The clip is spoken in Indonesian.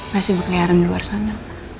masih berkeliaran di luar sana